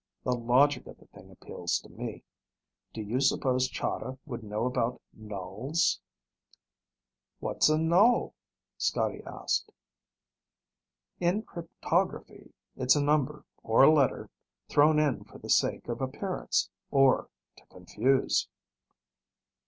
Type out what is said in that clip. "The logic of the thing appeals to me. Do you suppose Chahda would know about nulls?" "What's a null?" Scotty asked. "In cryptography it's a number, or letter, thrown in for the sake of appearance, or to confuse."